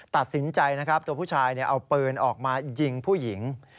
ตัดสินใจนะครับตัวผู้ชายเอาปืนออกมายิงผู้หญิง